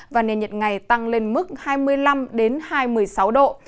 và nền nhiệt ngày tăng lên mức hai mươi năm hai mươi sáu độ